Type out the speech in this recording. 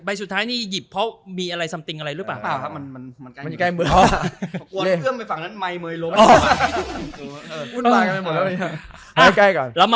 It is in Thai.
ใบสุดท้ายนี่หยิบเพราะมีอะไรรึเปล่า